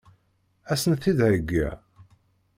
Ad sen-t-id-heggiɣ?